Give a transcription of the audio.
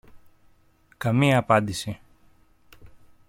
Καμία απάντηση